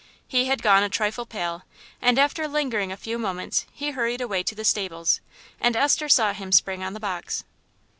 He had gone a trifle pale, and after lingering a few moments he hurried away to the stables, and Esther saw him spring on the box.